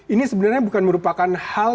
ini sebenarnya bukan merupakan hal